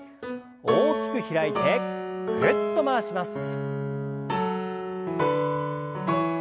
大きく開いてぐるっと回します。